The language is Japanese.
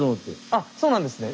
あそうなんですね。